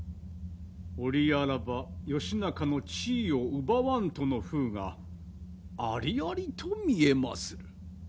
折あらば義仲の地位を奪わんとのふうがありありと見えまする。